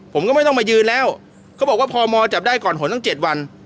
ผมก็ไม่ต้องมายืนแล้วเขาบอกว่าพมจับได้ก่อนหนตั้ง๗วัน